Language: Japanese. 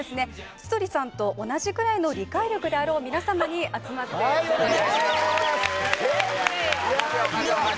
千鳥さんと同じくらいの理解力であろうみなさまに集まっていただいております